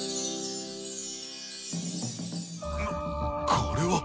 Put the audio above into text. これは。